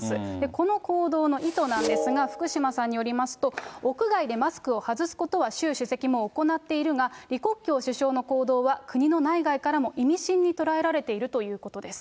この行動の意図なんですが、福島さんによりますと、屋外でマスクを外すことは習主席も行っているが、李克強首相の行動は、国の内外からも意味深に捉えられているということです。